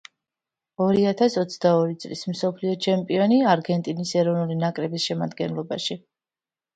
ორიათას ოცდა ორი წლის მსოფლიო ჩემპიონი არგენტინის ეროვნული ნაკრების შემადგენლობაში.